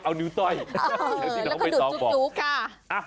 เอานิ้วต้อยแล้วก็ดูดจู๊ค่ะ